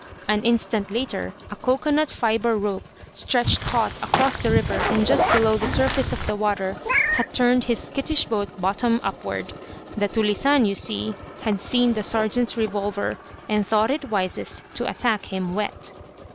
An instant later a cocoanut fibre rope, stretched taut across the river and just below the surface of the water, had turned his skittish boat bottom upward. The "tulisane," you see, had seen the sergeant's revolver, and thought wisest to attack him wet.